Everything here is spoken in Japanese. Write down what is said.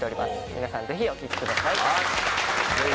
皆さんぜひお聴きください。